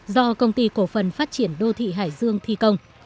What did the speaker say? do công ty cổ phần phát triển đô thị hải dương thi công